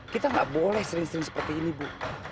kita nggak boleh sering sering seperti ini bu